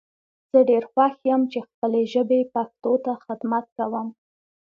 زه ډیر خوښ یم چی خپلې ژبي پښتو ته خدمت کوم